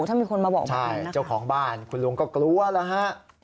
ถ้ามีคนมาบอกใช่เจ้าของบ้านคุณลุงก็กลัวแล้วฮะ